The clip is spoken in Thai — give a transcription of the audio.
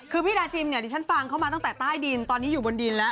คือพี่ดาจิมเนี่ยดิฉันฟังเขามาตั้งแต่ใต้ดินตอนนี้อยู่บนดินแล้ว